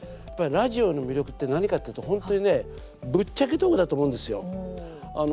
ラジオの魅力って何かっていうと本当にね、ぶっちゃけトークだと思うんですよ。